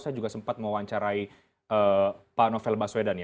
saya juga sempat mewawancarai pak novel baswedan ya